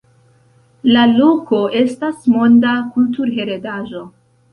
La loko estas monda kulturheredaĵo.